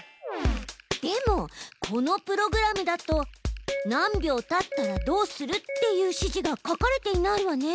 でもこのプログラムだと「何秒たったらどうする」っていう指示が書かれていないわね。